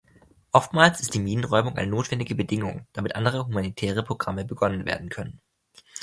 Oftmals ist die Minenräumung eine notwendige Bedingung, damit andere humanitäre Programme begonnen werden können.